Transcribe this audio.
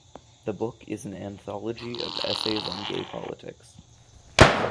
The book is an anthology of essays on gay politics.